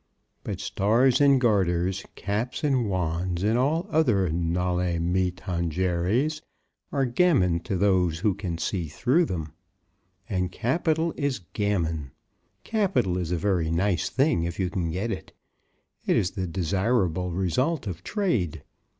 But stars and garters, caps and wands, and all other noli me tangeres, are gammon to those who can see through them. And capital is gammon. Capital is a very nice thing if you can get it. It is the desirable result of trade.